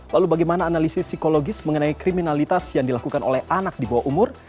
lalu bagaimana analisis psikologis mengenai kriminalitas yang dilakukan oleh anak di bawah umur